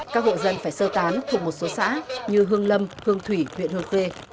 các hộ dân phải sơ tán thuộc một số xã như hương lâm hương thủy huyện hương khê